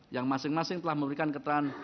yang masing masing telah memberikan keterangan